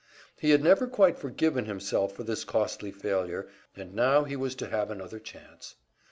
He had never quite forgiven himself for this costly failure, and now he was to have another chance.